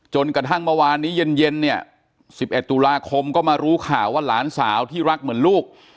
จนกระทั่งเมื่อวานนี้เย็นเนี่ย๑๑ตุลาคมก็มารู้ข่าวว่าหลานสาวที่รักเหมือนลูก